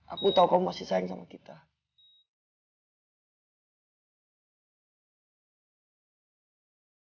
aku tahu kamu gak akan pernah meninggalkan aku sama arsila